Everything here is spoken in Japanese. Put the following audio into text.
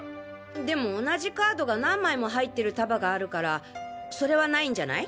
でも同じカードが何枚も入ってる束があるからそれはないんじゃない？